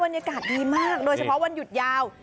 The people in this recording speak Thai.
บรรยากาศดีมากโดยเฉพาะวันหยุดยาว